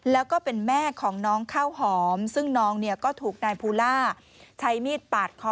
แล้วก็เป็นแม่ของน้องข้าวหอมซึ่งน้องเนี่ยก็ถูกนายภูล่าใช้มีดปาดคอ